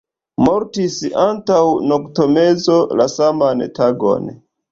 Mortis antaŭ noktomezo la saman tagon.